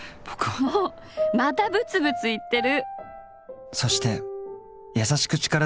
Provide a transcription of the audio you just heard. もうまたブツブツ言ってる！